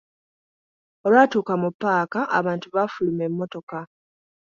Olwatuuka mu ppaaka, abantu baafuluma emmotoka.